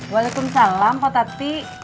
waalaikumsalam kota ti